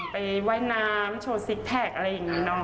ไปว่ายน้ำโชว์ซิกแพคอะไรอย่างนี้เนาะ